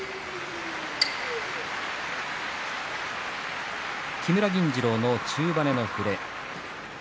拍手木村銀治郎の中跳ねの触れ。